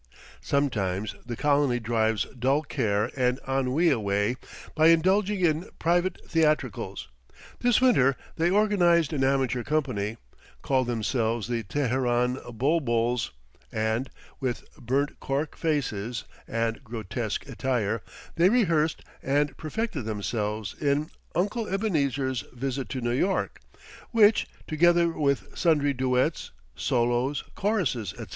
Sometimes the colony drives dull care and ennui away by indulging in private theatricals; this winter they organized an amateur company, called themselves the "Teheran Bulbuls," and, with burnt corked faces and grotesque attire, they rehearsed and perfected themselves in "Uncle Ebenezer's Visit to New York," which, together with sundry duets, solos, choruses, etc.